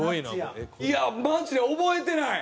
いやマジで覚えてない。